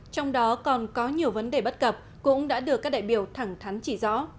trong đó còn có nhiều vấn đề bất cập cũng đã được các đại biểu thẳng thắn chỉ rõ